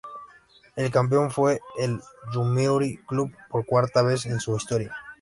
El campeón fue el Yomiuri Club, por cuarta vez en su historia.